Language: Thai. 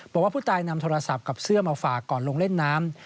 บอกว่าผู้ตายนำโทรศัพท์กับเสื้อมาฝากก่อนลงเล่นน้ำ